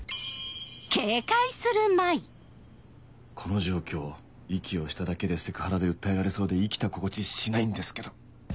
この状況息をしただけでセクハラで訴えられそうで生きた心地しないんですけど